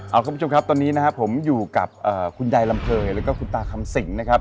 ครับคุณผู้ชมครับตอนนี้ผมอยู่กับคุณยายรำเภยและคุณตาคำสิง